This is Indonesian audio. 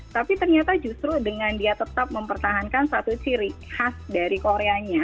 tapi ternyata justru dengan dia tetap mempertahankan satu ciri khas dari koreanya